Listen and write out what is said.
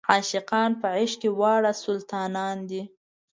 عاشقان په عشق کې واړه سلطانان دي.